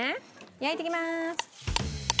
焼いていきまーす。